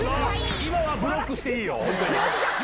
今はブロックしていいよ。